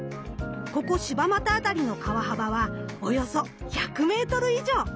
ここ柴又辺りの川幅はおよそ１００メートル以上。